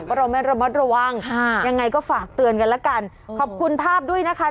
เพราะฉะนั้นก็ย้ำเตือนกับตรงนี้แหละนะคะ